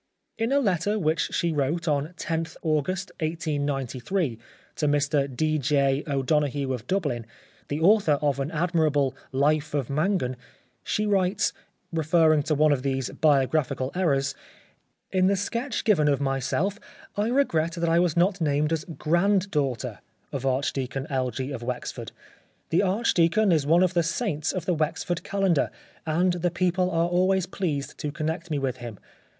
In a letter which she wrote on loth August 1893 to Mr D. J. O'Donog hue of Dublin, the author of an admirable '' Life of Mangan," she writes, referring to one of these biographical errors :—" In the sketch given of myself I regret that I was not named as Grand 36 The Life of Oscar Wilde daughter of Archdeacon Elgee of Wexford. The Archdeacon is one of the saints of the Wexford Calendar, and the people are always pleased to connect me with him.